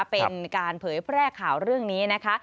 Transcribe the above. เป็นการเผยแพร่ข่าวเรื่องนี้นะคะ